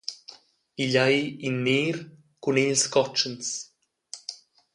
Igl ei in ner cun egls cotschens.